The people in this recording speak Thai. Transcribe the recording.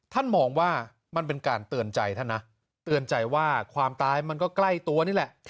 มองว่ามันเป็นการเตือนใจท่านนะเตือนใจว่าความตายมันก็ใกล้ตัวนี่แหละ